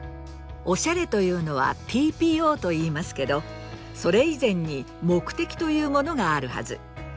お洒落というのはＴＰＯと言いますけどそれ以前に目的というものがあるはず。